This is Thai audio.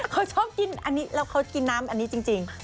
เขาชอบกินอันนี้แล้วเขากินน้ำอันนี้จริง